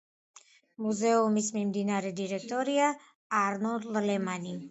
მუზეუმის მიმდინარე დირექტორია არნოლდ ლემანი.